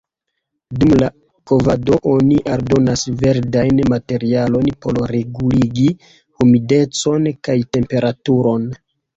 Dum la kovado oni aldonas verdajn materialojn por reguligi humidecon kaj temperaturon.